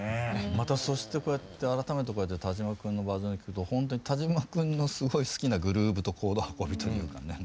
またそして改めてこうやって田島君のバージョンで聴くと本当に田島君のすごい好きなグルーブとコード運びというかね。